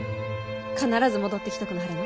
必ず戻ってきとくなはれな。